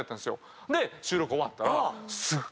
で収録終わったら。